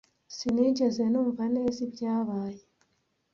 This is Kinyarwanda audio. Sinigeze numva neza ibyabaye.